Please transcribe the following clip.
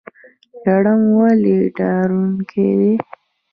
لړم ولې ډارونکی دی؟